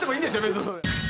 別にそれ。